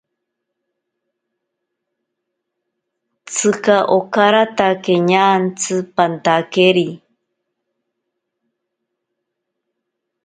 Tsika okaratake ñantsi pantakeri.